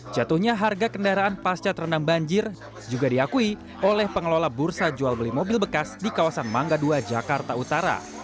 jatuhnya harga kendaraan pasca terendam banjir juga diakui oleh pengelola bursa jual beli mobil bekas di kawasan mangga ii jakarta utara